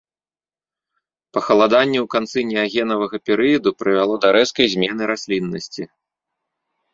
Пахаладанне ў канцы неагенавага перыяду прывяло да рэзкай змены расліннасці.